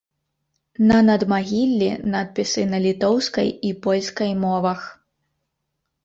На надмагіллі надпісы на літоўскай і польскай мовах.